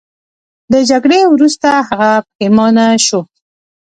د جګړې وروسته هغه پښیمانه شو.